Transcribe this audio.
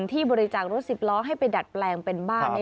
ที่บริจาครถ๑๐ล้อให้ไปดัดแปลงเป็นบ้าน